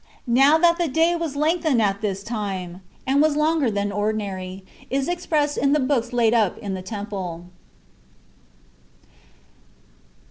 Now, that the day was lengthened at this thee, and was longer than ordinary, is expressed in the books laid up in the temple.